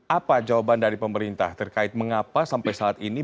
apa jawaban dari pemerintah terkait mengapa sampai saat ini